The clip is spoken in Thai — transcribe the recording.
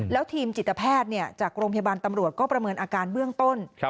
แล้วทีมจิตแพทย์จากโรงพยาบาลตำรวจก็ประเมินอาการเบื้องต้น